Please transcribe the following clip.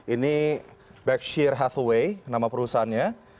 ini backshear hathaway nama perusahaannya